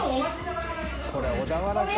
これ小田原さ